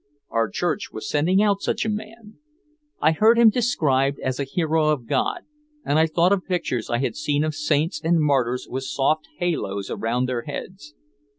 Our church was sending out such a man. I heard him described as a hero of God, and I thought of pictures I had seen of saints and martyrs with soft haloes around their heads.